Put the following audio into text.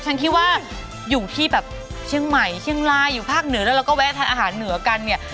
ฉันคิดว่าอยู่ที่แบบเชียงใหม่เชียงรายอยู่ภาคเหนือแล้วเราก็แวะทานอาหารเหนือกันเนี่ย